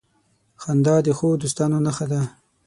• خندا د ښو دوستانو نښه ده.